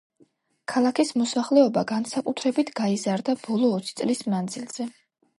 ქალაქის მოსახლეობა განსაკუთრებით გაიზარდა ბოლო ოცი წლის მანძილზე.